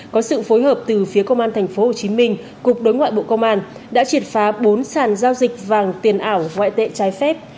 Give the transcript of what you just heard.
có sự phối hợp từ phía công an thành phố hồ chí minh cục đối ngoại bộ công an đã triệt phá bốn sàn giao dịch vàng tiền ảo ngoại tệ trái phép